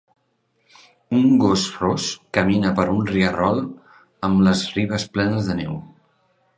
Un gos ros camina per un rierol amb les ribes plenes de neu.